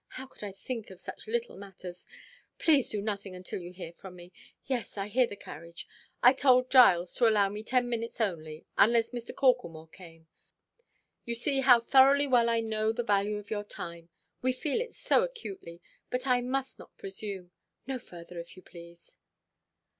How could I think of such little matters? Please to do nothing until you hear from me. Yes, I hear the carriage. I told Giles to allow me ten minutes only, unless Mr. Corklemore came. You see how thoroughly well I know the value of your time. We feel it so acutely; but I must not presume; no further, if you please!"